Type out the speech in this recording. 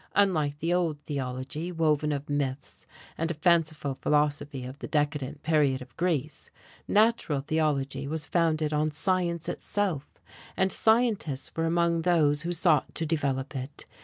Unlike the old theology woven of myths and a fanciful philosophy of the decadent period of Greece, natural theology was founded on science itself, and scientists were among those who sought to develop it.